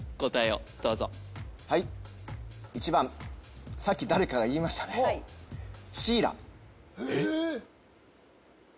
答えをどうぞはい１番さっき誰かが言いましたねえっ